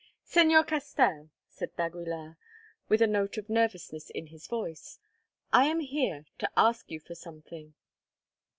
"Señor Castell," said d'Aguilar, with a note of nervousness in his voice, "I am here to ask you for something."